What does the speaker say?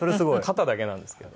肩だけなんですけど。